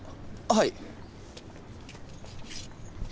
はい。